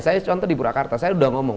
saya contoh di purwakarta saya udah ngomong